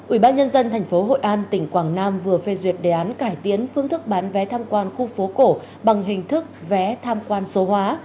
ủy ban nhân dân tp hội an tỉnh quảng nam vừa phê duyệt đề án cải tiến phương thức bán vé tham quan khu phố cổ bằng hình thức vé tham quan số hóa